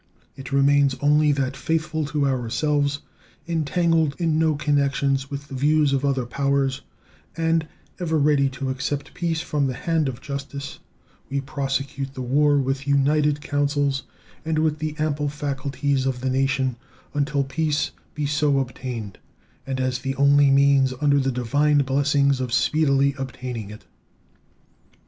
It remains only that, faithful to ourselves, entangled in no connections with the views of other powers, and ever ready to accept peace from the hand of justice, we prosecute the war with united counsels and with the ample faculties of the nation until peace be so obtained and as the only means under the Divine blessing of speedily obtaining it.